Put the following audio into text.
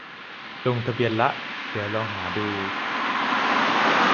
ลงทะเบียนละ เดี๋ยวลองหาดู